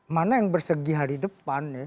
mana yang bersegi hari depan